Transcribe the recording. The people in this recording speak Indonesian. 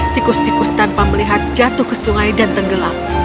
tikus tikus tanpa melihat jatuh ke sungai dan tenggelam